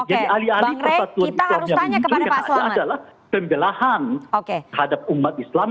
jadi alih alih persatuan islam yang ini yang ada adalah pembelahan terhadap umat islam